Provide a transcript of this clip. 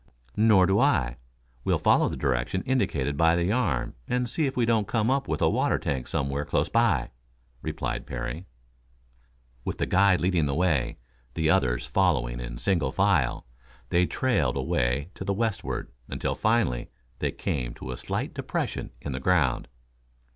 "Nor do I. We'll follow the direction indicated by the arm and see if we don't come up with a water tank somewhere close by," replied Parry. With the guide leading the way, the others following in single file, they trailed away to the westward until, finally, they came to a slight depression in the ground.